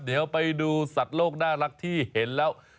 เดี๋ยวไปดูสัตว์โลกน่ารักที่เห็นแล้ว